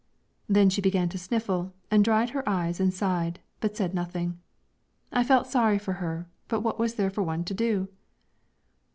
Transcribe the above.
Then she began to sniffle, and dried her eyes and sighed, but said nothing. I felt sorry for her, but what was there for one to do?